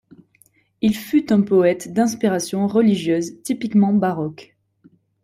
Il fut un poète d'inspiration religieuse typiquement baroque.